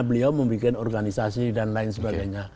beliau membuat organisasi dan lain sebagainya